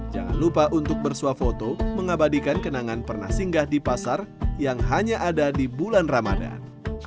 jangan lupa untuk bersuah foto mengabadikan kenangan pernah singgah di pasar yang hanya ada di bulan ramadan